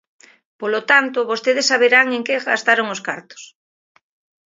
Polo tanto, vostedes saberán en que gastaron os cartos.